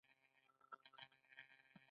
نو پۀ ملا زور نۀ راځي او ملا نۀ خرابيږي -